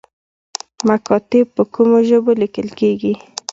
مکاتیب په کومو ژبو لیکل کیږي؟